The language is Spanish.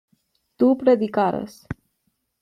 tu predicarás